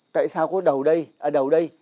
tại sao có đầu đây à đầu đây